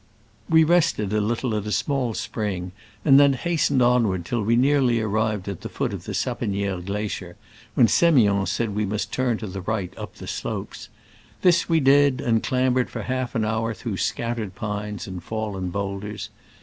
We rested a little at a small spring, and then hastened onward till we near ly arrived at the foot of the Sapeni^re glacier, when S6miond said we must turn to the right, up the slopes. This we did, and clambered for half an hour through scattered pines and fallen boul ders.